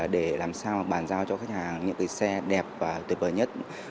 để làm sao bàn giao cho khách hàng những cái xe đẹp và tuyệt vời nhất